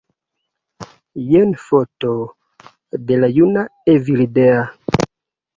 Jen foto de la juna Evildea